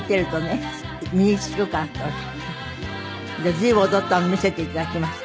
随分踊ったの見せていただきました。